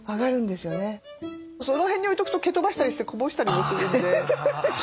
その辺に置いとくと蹴飛ばしたりしてこぼしたりもするんで。